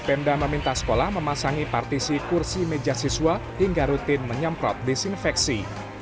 pemda meminta sekolah memasangi partisi kursi meja siswa hingga rutin menyemprot disinfeksi